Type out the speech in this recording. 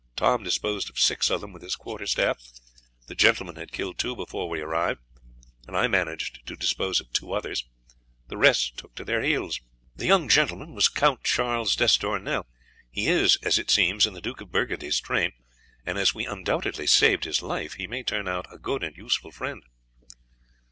Tom disposed of six of them with his quarter staff, the gentleman had killed two before we arrived, and I managed to dispose of two others, the rest took to their heels. The young gentleman was Count Charles d'Estournel; he is, as it seems, in the Duke of Burgundy's train; and as we undoubtedly saved his life, he may turn out a good and useful friend."